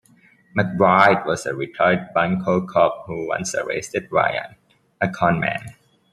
MacBride was a retired bunco cop who once arrested Ryan, a con man.